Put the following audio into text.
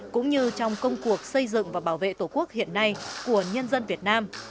cũng như trong công cuộc xây dựng và bảo vệ tổ quốc hiện nay của nhân dân việt nam